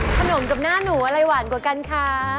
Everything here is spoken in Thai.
ขนมกับหน้าหนูอะไรหวานกว่ากันคะ